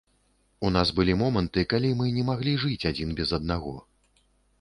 У нас былі моманты, калі мы не маглі жыць адзін без аднаго.